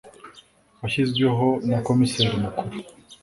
washyizweho na komiseri mukuru